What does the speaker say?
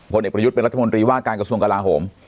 เอกประยุทธ์เป็นรัฐมนตรีว่าการกระทรวงกลาโหม